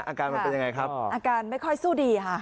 อาการมันเป็นยังไงครับอาการไม่ค่อยสู้ดีค่ะ